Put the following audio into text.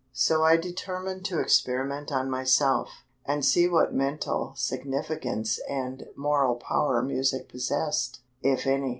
So I determined to experiment on myself, and see what mental significance and moral power music possessed, if any.